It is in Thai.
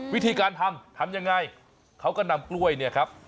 วิธีการทำทำยังไงเขาก็นำกล้วยเนี่ยครับ